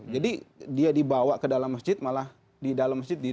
jadi dia di bawah ke dalam masjid malah di dalam masjid di pilih